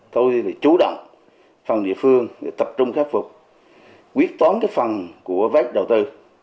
thôi thì chú động phần địa phương tập trung khắc phục quyết tóm cái phần của vết đầu tư